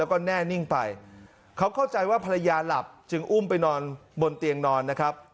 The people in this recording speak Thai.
แล้วก็แน่นิ่งไปเขาเข้าใจว่าภรรยาหลับจึงอุ้มไปนอนบนเตียงนอนนะครับ